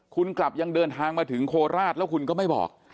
คุณกลับยังเดินทางมาถึงโคราชแล้วคุณก็ไม่บอก